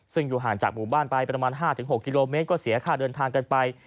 ซึ่งอยู่ห่างจากหมู่บ้านไปประมาณ๕๖กิโลเมตรก็เสียค่าเดินทางกันไป